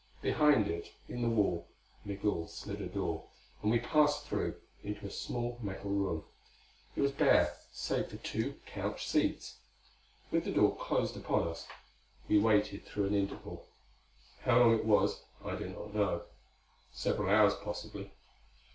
Behind it in the wall Migul slid a door, and we passed through, into a small metal room. It was bare, save for two couch seats. With the door closed upon us, we waited through an interval. How long it was, I do not know; several hours, possibly.